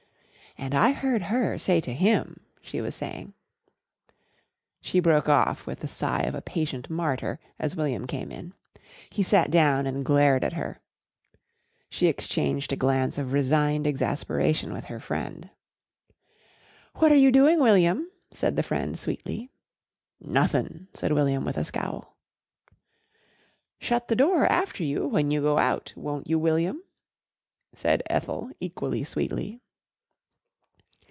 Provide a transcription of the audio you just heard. "And I heard her say to him " she was saying. She broke off with the sigh of a patient martyr as William came in. He sat down and glared at her. She exchanged a glance of resigned exasperation with her friend. "What are you doing, William?" said the friend sweetly. "Nothin'," said William with a scowl. "Shut the door after you when you go out, won't you, William?" said Ethel equally sweetly.